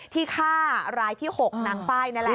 ที่ฆ่ารายที่๖นางไฟล์นั่นแหละ